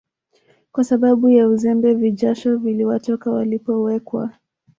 kwa sababu ya uzembe vijasho viliwatoka walipowekwa